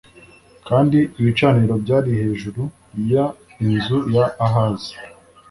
kandi ibicaniro byari hejuru y inzu ya ahazi